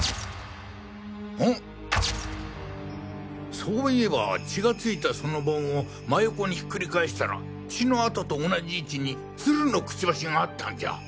そういえば血が付いたその盆を真横にひっくり返したら血の跡と同じ位置に鶴のクチバシがあったんじゃ！